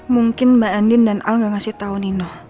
mungkin mbak andin dan al gak ngasih tahu nino